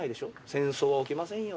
戦争は起きませんよね。